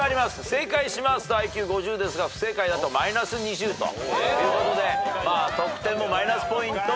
正解しますとＩＱ５０ですが不正解だとマイナス２０ということで得点もマイナスポイントも増える。